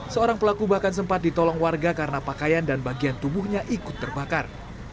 seorang pelaku bahkan sempat ditolong warga karena pakaian dan bagian tubuhnya ikut terbakar